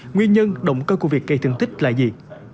nguyên nhân động cơ của việc gây thương tích là gì